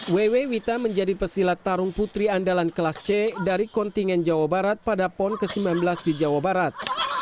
wewe wita menjadi pesilat tarung putri andalan kelas c dari kontingen jawa barat pada pon ke sembilan belas di jawa barat